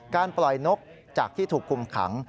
การปล่อยนกจากที่ถูกคุมขัง